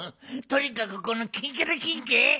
とにかくこのキンキラキンけ？